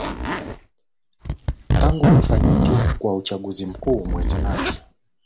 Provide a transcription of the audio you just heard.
tangu kufanyike kwa uchaguzi mkuu mwezi machi